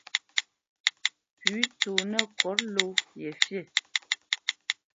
Pʉ̌ tsónə́ kot ló ye fî.